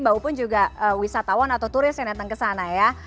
mbak upun juga wisatawan atau turis yang datang ke sana ya